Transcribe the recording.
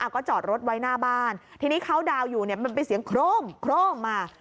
ก็จอดรถไว้หน้าบ้านทีนี้เขาดาวน์อยู่เนี่ยมันเป็นเสียงโครมโครมมา